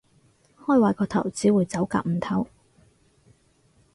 開壞個頭，只會走夾唔唞